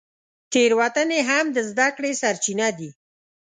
تېروتنې هم د زده کړې سرچینه دي.